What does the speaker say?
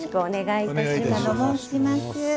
お願いいたします。